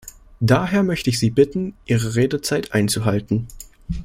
Daher möchte ich Sie bitten, Ihre Redezeit einzuhalten.